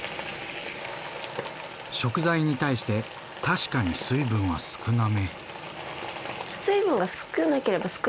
食材に対して確かに水分は少なめ。